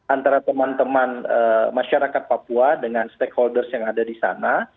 antara teman teman masyarakat papua dengan stakeholders yang ada di sana